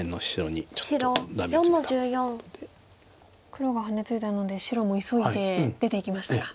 黒がハネツイだので白も急いで出ていきましたか。